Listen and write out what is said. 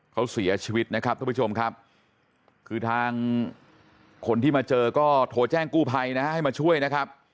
เขาเสียชีวิตนะครับทุกผู้ชมครับคือทางคนที่มาเจอก็โทรแจ้งกู้ภัยนะฮะให้มาช่วยนะครับ